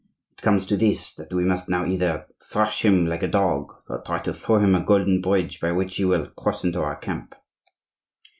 It comes to this, that we must now either thrash him like a dog, or try to throw him a golden bridge by which he will cross into our camp."